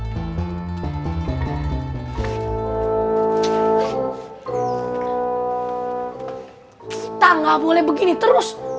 kita gak boleh begini terus